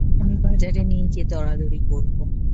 আমি বাজারে নেই যে দরাদরির করবো।